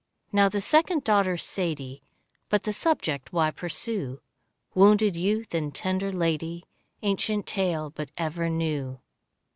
Now the second daughter, Sadie — But the subject why pursue? Wounded youth and tender lady, Ancient tale but ever new.